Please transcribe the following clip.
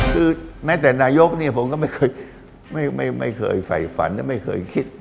คือแม้แต่นายกผมก็ไม่เคยไฝฝันไม่เคยคิด